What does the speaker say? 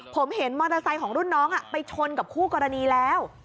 ผมเห็นมอเตอร์ไซค์ของรุ่นน้องไปชนกับคู่กรณีแล้ว